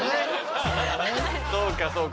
そうかそうか。